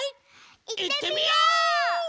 いってみよう！